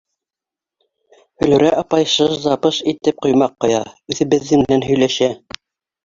Флүрә апай шыж да пыж итеп ҡоймаҡ ҡоя, үҙе беҙҙең менән һөйләшә: